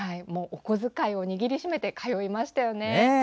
お小遣いを握り締めて通いましたよね。